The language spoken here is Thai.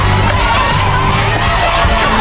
ภายในเวลา๓นาที